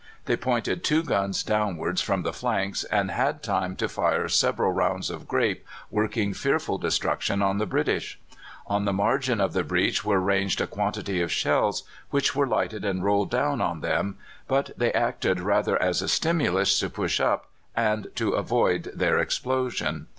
They pointed two guns downwards from the flanks and had time to fire several rounds of grape, working fearful destruction on the British. On the margin of the breach were ranged a quantity of shells, which were lighted and rolled down on them; but they acted rather as a stimulus to push up, and so avoid their explosion.